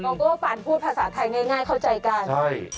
โกโก้ปั่นพูดภาษาไทยง่ายเข้าใจกัน